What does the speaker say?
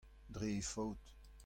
dre he faot.